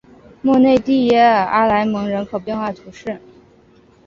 莫内蒂耶阿莱蒙人口变化图示